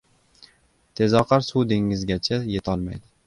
• Tezoqar suv dengizgacha yetolmaydi.